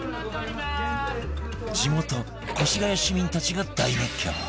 地元越谷市民たちが大熱狂！